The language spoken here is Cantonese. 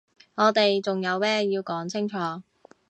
我哋仲有咩要講清楚？